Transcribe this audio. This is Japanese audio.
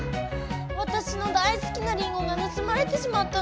わたしの大すきなリンゴがぬすまれてしまったの！